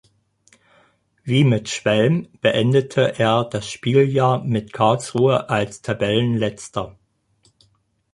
Wie mit Schwelm beendete er das Spieljahr mit Karlsruhe als Tabellenletzter.